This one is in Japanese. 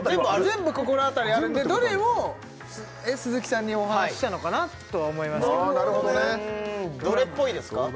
全部心当たりあるんでどれを鈴木さんにお話ししたのかなとは思いましたなるほどねどれっぽいですか？